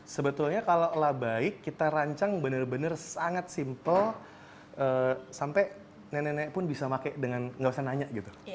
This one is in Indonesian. sebetulnya kalau labaik kita rancang benar benar sangat simple sampai nenek nenek pun bisa pakai dengan gak usah nanya gitu